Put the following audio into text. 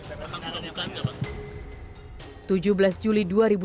setianofanto juga menerima penerimaan rp satu miliar